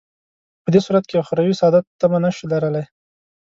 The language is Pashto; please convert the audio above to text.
په دې صورت کې اخروي سعادت تمه نه شو لرلای.